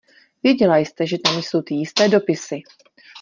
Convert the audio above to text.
Věděla jste, že tam jsou ty jisté dopisy.